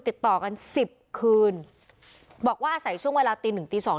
ติดต่อกันสิบคืนบอกว่าอาศัยช่วงเวลาตีหนึ่งตีสอง